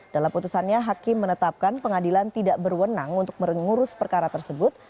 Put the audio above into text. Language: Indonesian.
dalam putusannya hakim menetapkan pengadilan tidak berwenang untuk mengurus perkara tersebut